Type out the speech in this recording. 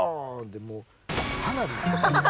でもう「花火」！